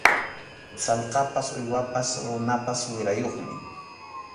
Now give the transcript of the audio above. Sallqapas uywapas runapas wirayuqmi.